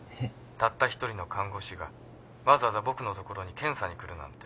☎たった一人の看護師がわざわざ僕の所に検査に来るなんて。